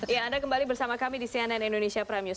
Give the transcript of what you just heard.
ya anda kembali bersama kami di cnn indonesia premium